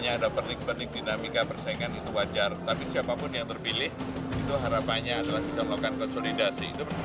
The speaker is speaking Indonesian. harapannya adalah sampai berakhirnya kongres hari ini harus lancar